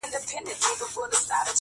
له یخنیه دي بې واکه دي لاسونه،!